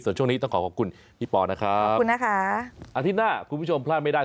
ส่วนช่วงนี้ต้องขอขอบคุณพี่ปอนะครับขอบคุณนะคะอาทิตย์หน้าคุณผู้ชมพลาดไม่ได้